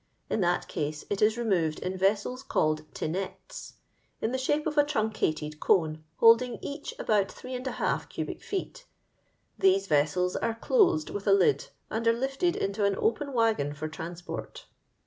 In that case it is removed in vessels called tinettet, in the shape of a truncated cone, holding each about 8^ cubic feet. These vessels ore closed with a lid, and are lifted into an open waggon for transport."